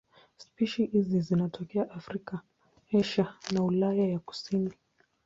Spishi hizi zinatokea Afrika, Asia na Ulaya ya kusini.